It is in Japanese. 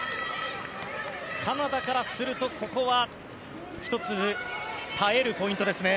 カナダからすると、ここは１つ耐えるポイントですね。